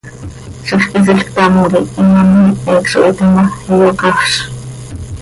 Zixquisiil ctam quih imám ihic zo hiite ma, iyocafz.